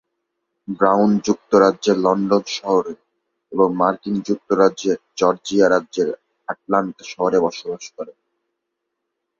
Brown যুক্তরাজ্যের London শহর এবং মার্কিন যুক্তরাষ্ট্রের জর্জিয়া রাজ্যের আটলান্টা শহরে বসবাস করেন।